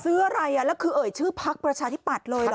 ซื้ออะไรแล้วคือเอ่ยชื่อพักประชาธิปัตย์เลย